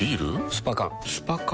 スパ缶スパ缶？